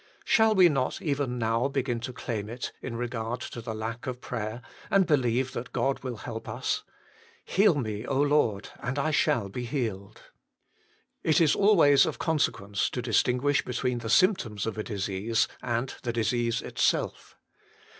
Shall we not even now begin to claim it in regard to the lack of prayer, and believe that God will help us :" Heal me, Lord, and I shall be healed." It is always of consequence to distinguish between the symptoms of a disease and the disease itself.